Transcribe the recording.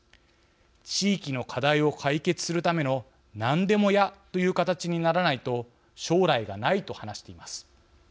地域の課題を解決するための何でも屋という形にならないと将来がない」と話しています。